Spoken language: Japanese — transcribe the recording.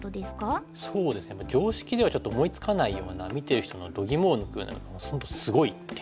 そうですね常識ではちょっと思いつかないような見てる人のどぎもを抜くようなすごい手みたいな。